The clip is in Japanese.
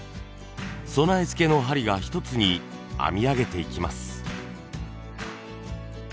備え付けの針が一つに編み上げていきます。